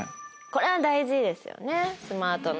これは大事ですよ。